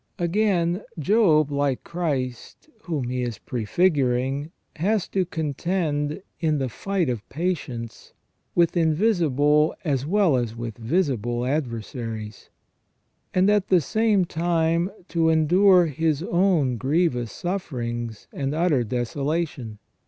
Again, Job, like Christ, whom he is prefiguring, has to contend, in the fight of patience, with invisible as well as with visible adver saries, and at the same time to endure his own grievous sufferings and utter desolation.